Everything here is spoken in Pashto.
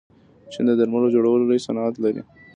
چین د درمل جوړولو لوی صنعت لري.